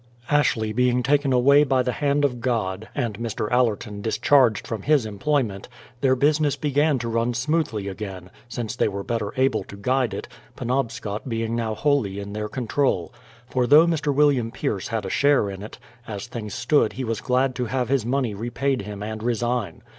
Ashley being taken away by the hand of God, and Mr. Allerton discharged from his employment, their business began to run smoothly again, since they were better able to guide it, Penobscot being now wholly in their control ; for though Mr. William Pierce had a share in it, as things stood he was glad to have his money repaid him and re sign.